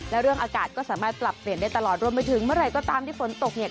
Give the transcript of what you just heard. และเรื่องอากาศก็สามารถปรับเปลี่ยนได้ตลอดรวมไปถึงเมื่อไหร่ก็ตามที่ฝนตกเนี่ย